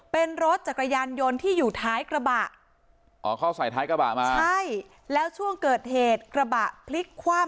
เป็นรถจักรยานยนต์ที่อยู่ท้ายกระบะอ๋อเขาใส่ท้ายกระบะมาใช่แล้วช่วงเกิดเหตุกระบะพลิกคว่ำ